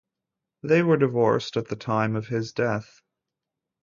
They were divorced at the time of his death.